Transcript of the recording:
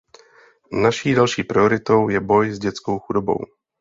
Naší další prioritou je boj s dětskou chudobou.